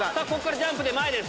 ジャンプで前です。